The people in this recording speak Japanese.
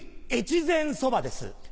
越前そばです。